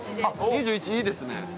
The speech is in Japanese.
２１いいですね。